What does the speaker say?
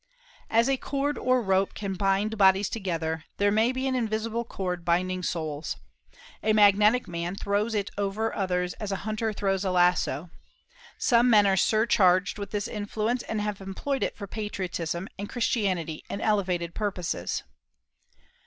As a cord or rope can bind bodies together, there may be an invisible cord binding souls. A magnetic man throws it over others as a hunter throws a lasso. Some men are surcharged with this influence, and have employed it for patriotism and Christianity and elevated purposes.